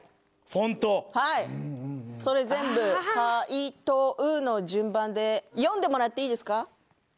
それ全部カイトウの順番で読んでもらっていいですか？